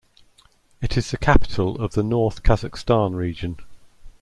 It is the capital of the North Kazakhstan Region.